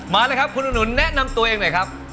มาเลยครับคุณอุ๋นแนะนำตัวเองหน่อยครับ